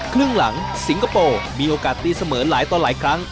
ครึ่งหลังสิงคโปร์มีโอกาสตีเสมอหลายต่อหลายครั้ง